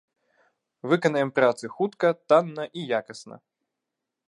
Выканаем працы хутка, танна і якасна.